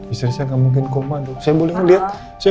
istri saya gak mungkin koma saya boleh ngeliat